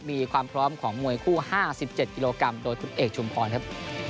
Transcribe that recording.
มีความพร้อมของมวยคู่๕๗กิโลกรัมโดยคุณเอกชุมพรครับ